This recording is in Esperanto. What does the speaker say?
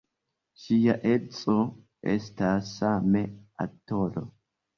Ŝia edzo estas same aktoro.